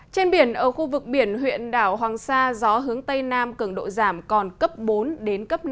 trên biển ở khu vực biển huyện đảo hoàng sa gió hướng tây nam cường độ giảm còn cấp bốn đến cấp năm